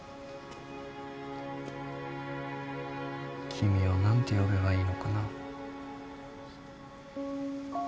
君を何て呼べばいいのかな？